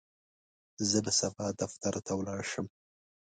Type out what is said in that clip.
زه به سبا دفتر ته ولاړ شم.